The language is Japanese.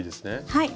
はい。